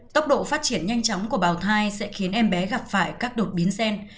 tốc độ phát triển nhanh chóng của bào thai sẽ khiến em bé gặp phải các đột biến gen